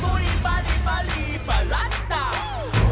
มุยมุยบาลีบาลีบาลัดตัก